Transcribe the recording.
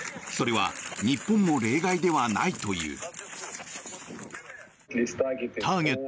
それは日本も例外ではないという。